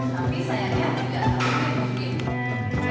tadi sudah ikut posting di gj